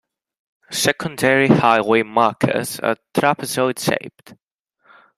Secondary highway markers are trapezoid-shaped.